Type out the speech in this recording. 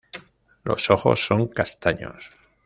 Los ojos son castaños.